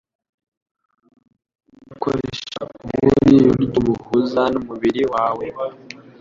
ugakoresha ubundi buryo buhuza n'umubiri wawe